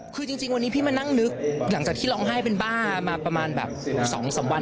คือจริงวันนี้พี่มานั่งนึกหลังจากที่ร้องไห้เป็นบ้ามาประมาณแบบ๒๓วัน